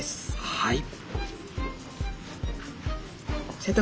はい。